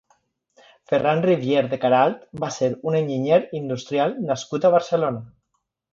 Ferran Rivière de Caralt va ser un enginyer industrial nascut a Barcelona.